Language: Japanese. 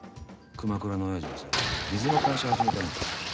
熊倉のオヤジがさ水の会社始めたんだよ。